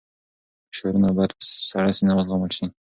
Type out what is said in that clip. فشارونه باید په سړه سینه وزغمل شي.